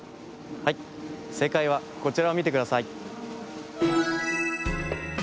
はいせいかいはこちらをみてください。